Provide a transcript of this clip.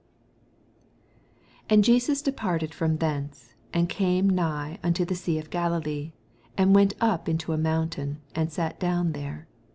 29 And JeBUB departed from thenoe, and oazae nigh unto the sea of GkiHlee ; and went np into a monntain, and sat down there.